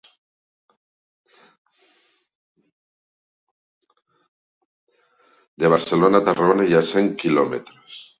De Barcelona a Tarragona hi ha cent quilòmetres.